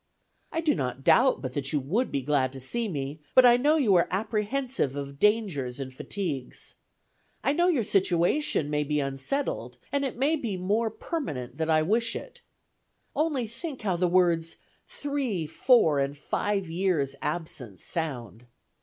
I do not doubt but that you would be glad to see me, but I know you are apprehensive of dangers and fatigues. I know your situation may be unsettled, and it may be more permanent than I wish it. Only think how the words, 'three, four, and five years' absence,' sound!